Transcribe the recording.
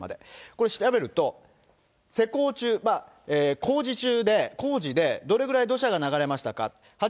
これ調べると、施工中、工事中で、工事で、どれぐらい土砂が流れましたか。